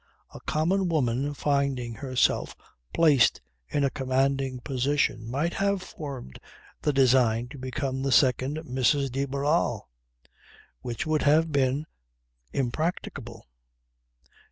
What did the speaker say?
A common woman finding herself placed in a commanding position might have formed the design to become the second Mrs. de Barral. Which would have been impracticable.